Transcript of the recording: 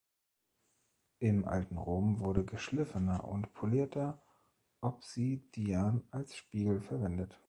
Im alten Rom wurde geschliffener und polierter Obsidian als Spiegel verwendet.